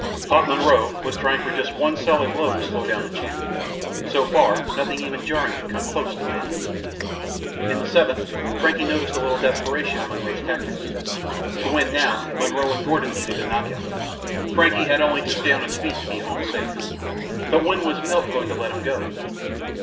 Pop Monroe was trying for just one solid blow to slow down the Champ. So far nothing even jarring had come close to landing. In the seventh Frankie noticed a little desperation in Monroe's tactics. To win now Monroe and Gordon needed a knockout. Frankie had only to stay on his feet to be home safe. But when was Milt going to let him go?